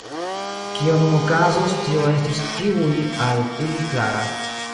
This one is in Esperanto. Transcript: Kio nun okazos, tio estis tuj al ili klara.